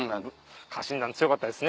家臣団強かったですね。